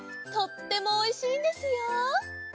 とってもおいしいんですよ。